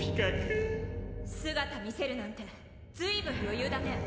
姿見せるなんて随分余裕だね。